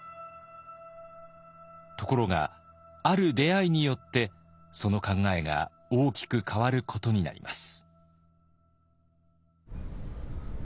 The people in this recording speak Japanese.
ところがある出会いによってその考えが大きく変わることになります。